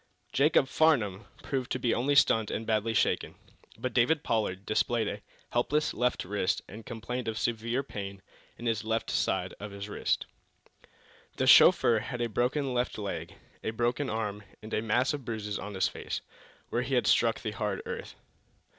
Jacob Farnum proved to be only stunned and badly shaken. But David Pollard displayed a helpless left wrist and complained of severe pain in the left side of his chest. The chauffeur had a broken left leg, a broken arm, and a mass of bruises on his face, where he had struck the hard earth.